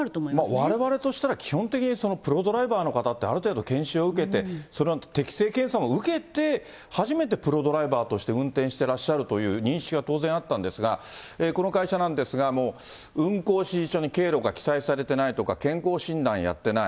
われわれとしたら、基本的にプロドライバーの方ってある程度研修を受けて、それで適性検査も受けて、初めてプロドライバーとして運転していらっしゃるという認識は当然あったんですが、この会社なんですが、もう運行指示書に経路が記載されてないとか、健康診断やってない。